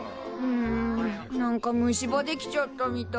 んなんか虫歯できちゃったみたい。